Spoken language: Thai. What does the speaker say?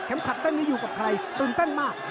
ขัดเส้นนี้อยู่กับใครตื่นเต้นมาก